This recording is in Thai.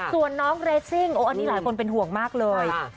ส่วนน้องเรซิ่งอันนี้หลายคนเป็นห่วงมากเลย